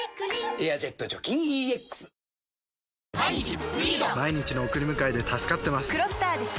「エアジェット除菌ＥＸ」・あっ！